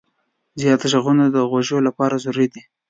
زیات غږونه د غوږو لپاره ضرر لري.